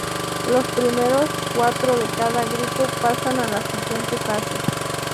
Los primeros cuatro de cada grupo pasan a la siguiente fase.